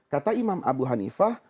kata imam abu hanifah